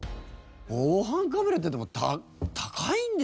防犯カメラってでも高いんでしょ？